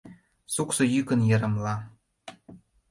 суксо йӱкын йырымла.